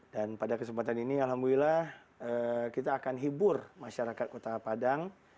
dan pada kesempatan ini alhamdulillah kita akan hibur masyarakat kota padang